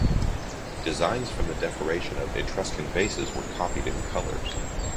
Designs from the decoration of Etruscan vases were copied in colors.